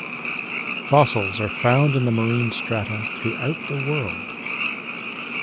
Fossils are found in the marine strata throughout the world.